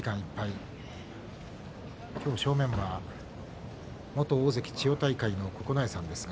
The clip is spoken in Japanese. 今日、正面は、元大関千代大海の九重さんです。